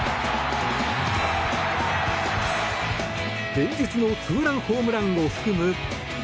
連日のツーランホームランを含む